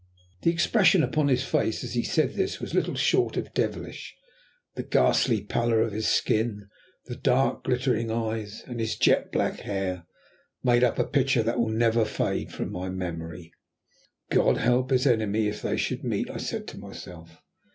The expression upon his face as he said this was little short of devilish; the ghastly pallor of his skin, the dark, glittering eyes, and his jet black hair made up a picture that will never fade from my memory. "God help his enemy if they should meet," I said to myself.